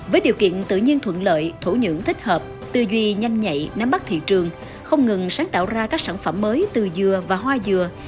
với điều kiện tự nhiên thuận lợi thổ nhưỡng thích hợp tư duy nhanh nhạy nắm bắt thị trường không ngừng sáng tạo ra các sản phẩm mới từ dừa và hoa dừa